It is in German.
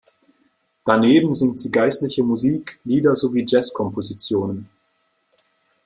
Daneben singt sie geistliche Musik, Lieder sowie Jazzkompositionen.